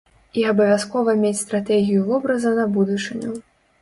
І абавязкова мець стратэгію вобраза на будучыню.